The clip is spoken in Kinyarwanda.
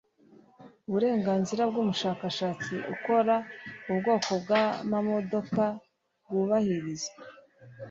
uburenganzira bw’umushakashatsi ukora ubwoko bw’amamodoka bwubahirizwe